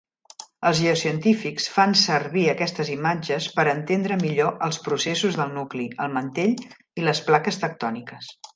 Els geocientífics fan servir aquestes imatges per entendre millor els processos del nucli, el mantell i les plaques tectòniques.